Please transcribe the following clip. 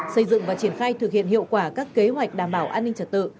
xây dựng và triển khai thực hiện hiệu quả các kế hoạch đảm bảo an ninh trật tự